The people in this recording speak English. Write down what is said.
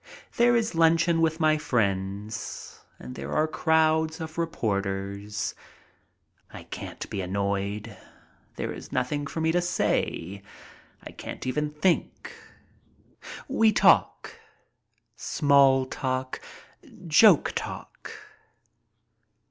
There is luncheon with my friends and there are crowds of reporters. I can't be annoyed. There is nothing for me to say. I can't even think. We talk, small talk, joke talk.